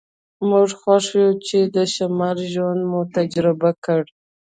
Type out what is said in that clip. موږ خوښ یو چې د شمال ژوند مو تجربه کړ